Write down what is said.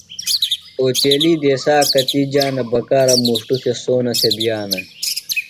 اوچیلی دیسہ آک کتیۡ جانہ بکارہ مُݜٹوۡ تھےۡ سونہ تھےۡ بِیانہ۔